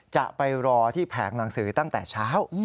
จะไปรอที่แผงหนังสือตั้งแต่เช้า